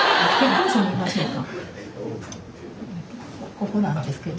ここなんですけど。